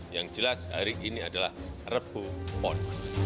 yang jelas hari ini adalah rebuh pot